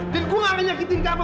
dan gue nggak akan nyakitin kafa